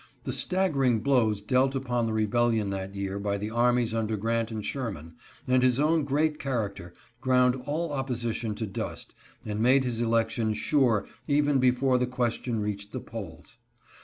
The staggering blows dealt upon the rebellion that year by the armies under Grant and Sherman, and his own great character, ground all opposition to dust and made his election sure even before the question reached the polls.